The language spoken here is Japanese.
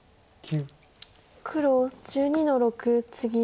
黒１２の六ツギ。